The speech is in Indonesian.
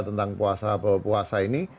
tentang puasa bahwa puasa ini